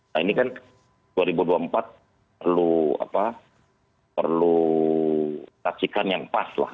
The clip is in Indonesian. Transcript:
nah ini kan dua ribu dua puluh empat perlu kasihkan yang pas lah